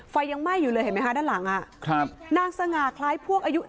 ไฟยังไหม้อยู่เลยเห็นไหมคะด้านหลังอ่ะครับนางสง่าคล้ายพวกอายุ